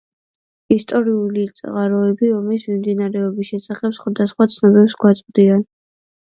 ისტორიული წყაროები ომის მიმდინარეობის შესახებ სხვადასხვა ცნობებს გვაწვდიან.